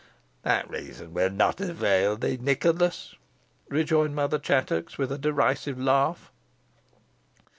"That reason will not avail thee, Nicholas," rejoined Mother Chattox, with a derisive laugh.